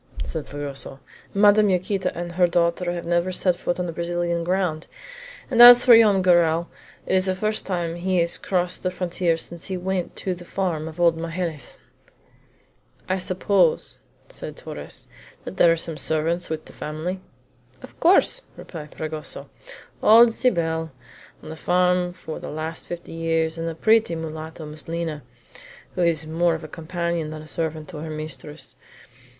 said Fragoso. "Madame Yaquita and her daughter have never set foot on Brazilian ground; and as for Joam Garral, it is the first time he has crossed the frontier since he went to the farm of old Magalhaës." "I suppose," asked Torres, "that there are some servants with the family?" "Of course," replied Fragoso "old Cybele, on the farm for the last fifty years, and a pretty mulatto, Miss Lina, who is more of a companion than a servant to her mistress.